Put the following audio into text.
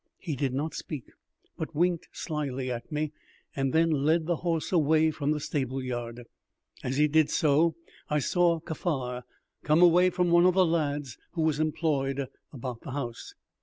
He did not speak, but winked slyly at me, and then led the horse away from the stable yard. As he did so, I saw Kaffar come away from one of the lads who was employed about the house.